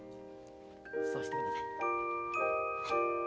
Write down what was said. そうしてください。